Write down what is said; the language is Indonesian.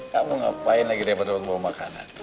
kamu ngapain lagi remet remet bawa makanan